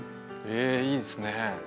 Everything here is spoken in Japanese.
えいいですね。